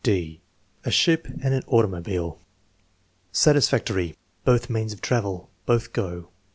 (d) A ship and an automobile Satisfactory. "Both means of travel." "Both go."